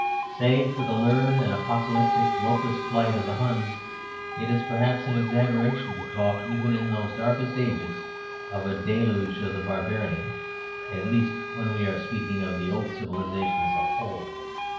Save for the lurid and apocalyptic locust flight of the Huns, it is perhaps an exaggeration to talk, even in those darkest ages, of a deluge of the barbarians; at least when we are speaking of the old civilization as a whole.